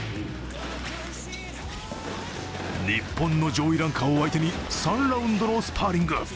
日本の上位ランカーを相手に３ラウンドのスパーリング。